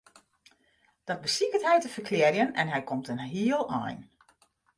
Dat besiket hy te ferklearjen en hy komt in heel ein.